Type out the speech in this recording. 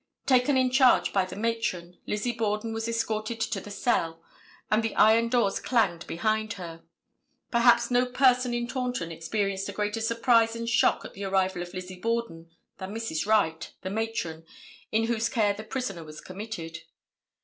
Taken in charge by the matron, Lizzie Borden was escorted to the cell, and the iron doors clanged behind her. Perhaps no person in Taunton experienced a greater surprise and shock at the arrival of Lizzie Borden than Mrs. Wright, the matron, in whose care the prisoner was committed.